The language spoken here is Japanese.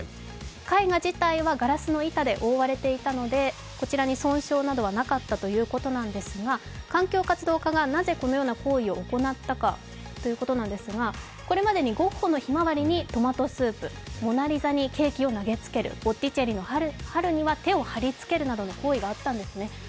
絵画自体はガラスの板で覆われていたのでこちらに害などはなかったということなんですが環境活動家がなぜこのような行為を行ったかということですがこれまでにゴッホの「ひまわり」にトマトスープ、「モナリザ」にケーキ、ボッティチェリの「春」には手を貼り付けるなどの行為があったんですね。